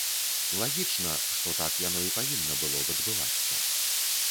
Лагічна, што так яно і павінна было б адбывацца.